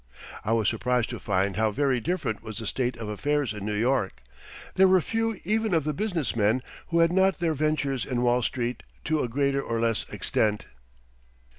I was surprised to find how very different was the state of affairs in New York. There were few even of the business men who had not their ventures in Wall Street to a greater or less extent.